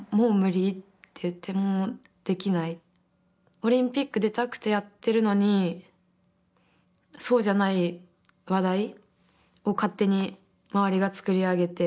オリンピック出たくてやってるのにそうじゃない話題を勝手に周りが作り上げてあほらしいって。